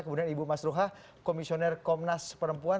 kemudian ibu mas ruha komisioner komnas perempuan